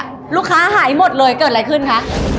ลูกค้าหายหมดเลยเกิดอะไรขึ้นคะ